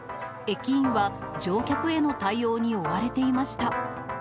駅員は、乗客への対応に追われていました。